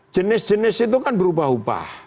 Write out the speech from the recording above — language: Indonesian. jenis jenis itu kan berubah ubah